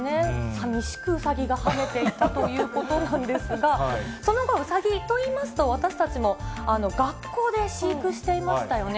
さみしく、うさぎが跳ねていたということなんですが、その後、うさぎといいますと、私たちも学校で飼育していましたよね。